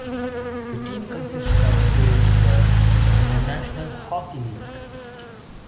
The team consists of Swedish players in the National Hockey League.